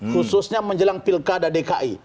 khususnya menjelang pilkada dki